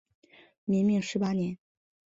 明命十八年。